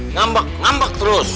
ngambek ngambek terus